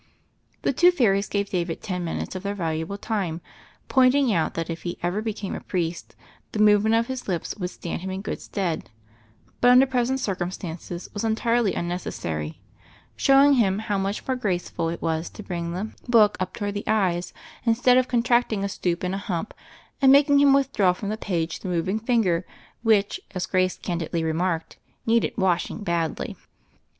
The two fairies gave David ten minutes of their valuable time, pointing out that if he ever became a priest, the movement of his lips would stand him in good stead, but under present cir cumstances was entirely unnecessary, showing him how much more graceful it was to bring the 1 64 THE FAIRY OF THE SNOWS book up toward the eyes instead of contracting a stoop and a hump, and making him withdraw from the page the moving finger, which, as Grace candidly remarked, needed washing badly.